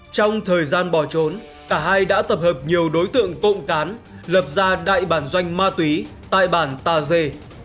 trong thời gian bỏ trốn cả hai đã tập hợp nhiều đối tượng cộng cán lập ra đại bản doanh ma túy tại bản tà dê